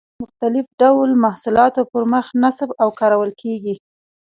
د لرګي مختلف ډول محصولاتو پر مخ نصب او کارول کېږي.